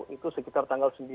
itu sekitar tanggal sembilan